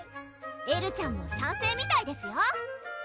エルちゃんも賛成みたいですよ！